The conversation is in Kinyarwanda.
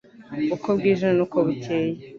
uko bwije n'uko bukeye,